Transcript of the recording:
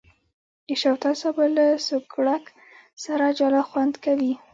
د شوتل سابه له سوکړک سره جلا خوند کوي.